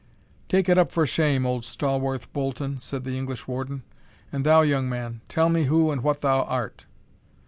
"Take it up for shame, old Stawarth Bolton," said the English Warden; "and thou, young man, tell me who and what thou art?"